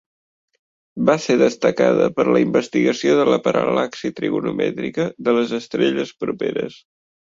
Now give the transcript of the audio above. Va ser destacada per la investigació de la paral·laxi trigonomètrica de les estrelles properes.